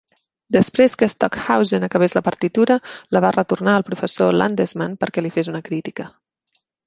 Després que Stockhausen acabés la partitura, la va retornar al professor Landesmann perquè li fes una crítica.